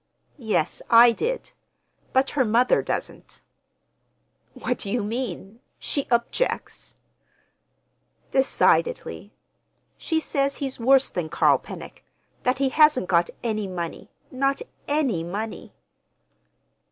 "Yes, I did—but her mother doesn't." "What do you mean? She—objects?" "Decidedly! She says he's worse than Carl Pennock—that he hasn't got any money, not any money."